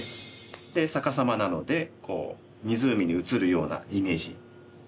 で逆さまなので湖に映るようなイメージ。